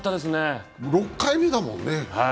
６回目だもんね。